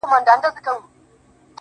خو هستي یې نه درلوده ډېر نېسمتن وه -